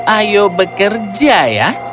ayo bekerja ya